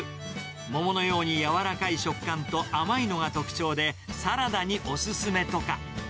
桃のように柔らかい食感と甘いのが特徴で、サラダにお勧めとか。